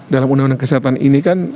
dalam undang undang kesehatan ini kan